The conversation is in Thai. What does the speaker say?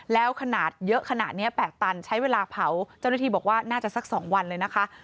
แล้วขนาดเยอะขนาดนี้๘ตันใช้เวลาเผาเจ้าหน้าที่บอกว่าน่าจะสัก๒วันเลยนะคะ